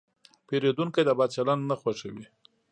پیرودونکی د بد چلند نه خوښوي.